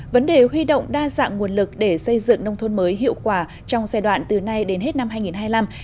vấn đề huy động đa dạng nguồn lực để xây dựng nông thôn mới hiệu quả trong giai đoạn từ nay đến hết năm hai nghìn hai mươi năm